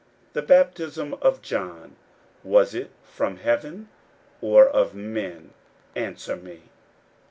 41:011:030 The baptism of John, was it from heaven, or of men? answer me.